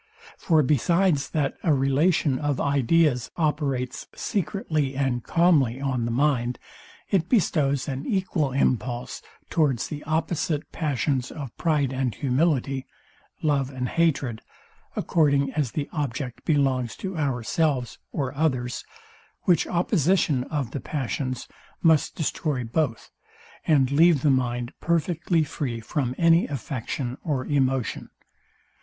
For besides, that a relation of ideas operates secretly and calmly on the mind, it bestows an equal impulse towards the opposite passions of pride and humility, love and hatred, according as the object belongs to ourselves or others; which opposition of the passions must destroy both, and leave the mind perfectly free from any affection or emotion.